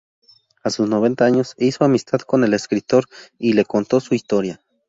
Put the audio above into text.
A sus noventa años hizo amistad con el escritor y le contó su historia.